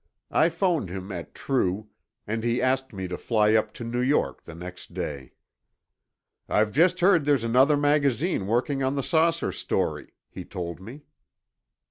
I phoned him at True, and he asked me to fly up to New York the next day. "I've just heard there's another magazine working on the saucer story," he told me.